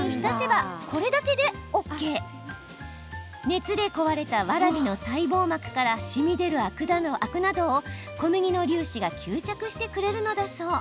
熱で壊れたわらびの細胞膜からしみ出るアクなどを小麦の粒子が吸着してくれるのだそう。